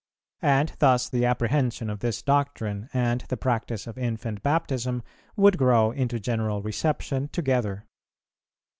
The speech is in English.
And thus the apprehension of this doctrine and the practice of Infant Baptism would grow into general reception together.